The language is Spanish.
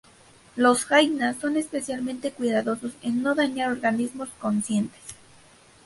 Los jainas son especialmente cuidadosos en no dañar organismos conscientes.